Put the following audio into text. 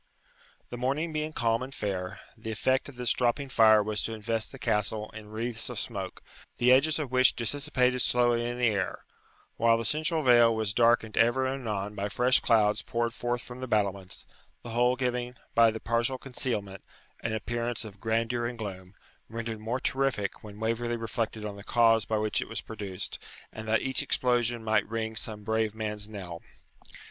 The morning being calm and fair, the effect of this dropping fire was to invest the Castle in wreaths of smoke, the edges of which dissipated slowly in the air, while the central veil was darkened ever and anon by fresh clouds poured forth from the battlements; the whole giving, by the partial concealment, an appearance of grandeur and gloom, rendered more terrific when Waverley reflected on the cause by which it was produced, and that each explosion might ring some brave man's knell.